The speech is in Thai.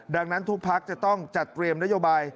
ดังนั้นทุกพักจะต้องจัดเตรียมนโยบาย